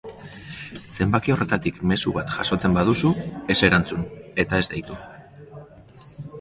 Zenbaki horretatik mezu bat jasotzen baduzu, ez erantzun, eta ez deitu.